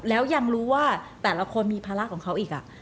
แล้วยังรู้ว่าแต่ละคนมีภาระของเขาอีก